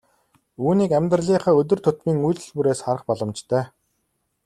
Үүнийг амьдралынхаа өдөр тутмын үйлдэл бүрээс харах боломжтой.